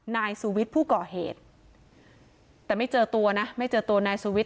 นายสุวิทย์ผู้ก่อเหตุแต่ไม่เจอตัวนะไม่เจอตัวนายสุวิทย